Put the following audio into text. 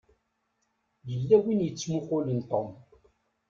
Yella win i yettmuqqulen Tom.